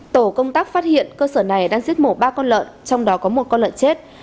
tổ công tác phát hiện cơ sở này đang giết mổ ba con lợn trong đó có một con lợn chết